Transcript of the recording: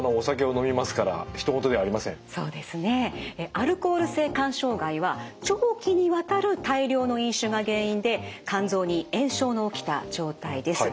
アルコール性肝障害は長期にわたる大量の飲酒が原因で肝臓に炎症の起きた状態です。